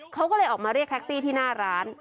เขาก็เลยออกมาเรียกแท็กซี่ที่หน้าร้าน